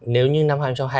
nếu như năm